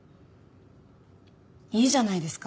いいじゃないですか。